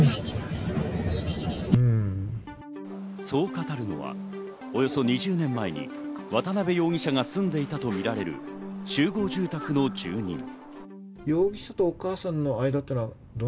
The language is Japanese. そう語るのはおよそ２０年前に渡辺容疑者が住んでいたとみられる集合住宅の住人。